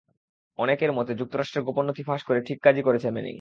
অনেক মতে, যুক্তরাষ্ট্রের গোপন নথি ফাঁস করে সঠিক কাজই করেছেন ম্যানিং।